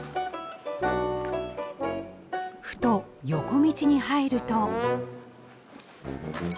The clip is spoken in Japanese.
ふと横道に入ると。